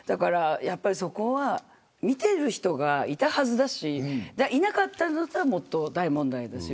そこは見ている人がいたはずだしいなかったんだったらもっと大問題ですし。